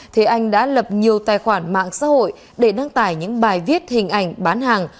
thế anh đã lập nhiều tài khoản mạng xã hội để đăng tải những bài viết hình ảnh bán hàng